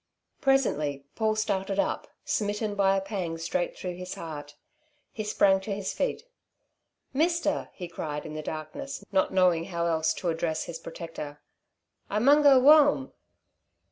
Presently Paul started up, smitten by a pang straight through his heart. He sprang to his feet. "Mister," he cried in the darkness, not knowing how else to address his protector. "I mun go whoam."